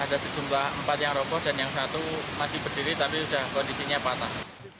ada sejumlah empat yang rokok dan yang satu masih berdiri tapi kondisinya patah